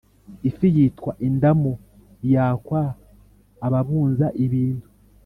ifi yitwa indamu yakwa ababunza ibintu